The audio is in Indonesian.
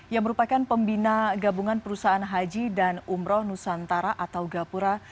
yang merupakan pembina gabungan perusahaan haji dan umroh nusantara atau gapura